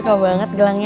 aku suka banget gelangnya